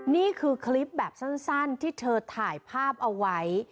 นี่คือคลิปแบบสั้นที่เธอถ่ายภาพเอาไว้